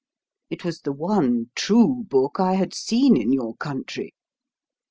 It was the one true book I had seen in your country.